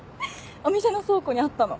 お店の倉庫にあったの。